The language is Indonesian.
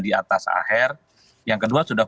di atas aher yang kedua sudah